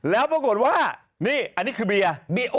แล้วปรากฏว่านี่อันนี้คือเบียร์